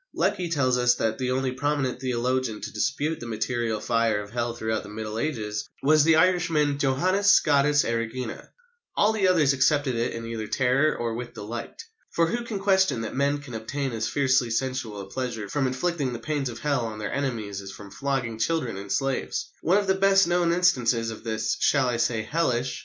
Lecky tells us that the only prominent theologian to dispute the material fire of Hell throughout the Middle Ages was the Irishman Johannes Scotus Erigena. All the others accepted it either in terror or with delight. For who can question that men can obtain as fiercely sensual a pleasure from inflicting the pains of Hell on their enemies as from flogging children and slaves? One of the best known instances of this shall I say, hellish?